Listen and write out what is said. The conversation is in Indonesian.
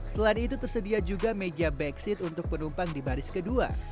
selain itu tersedia juga meja back seat untuk penumpang di baris kedua